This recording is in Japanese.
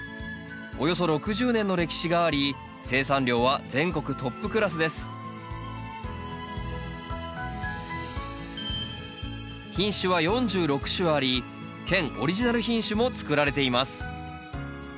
およそ６０年の歴史があり生産量は全国トップクラスです品種は４６種あり県オリジナル品種も作られています